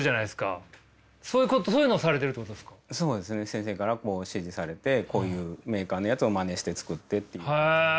先生から指示されてこういうメーカーのやつをまねして作ってっていう感じです。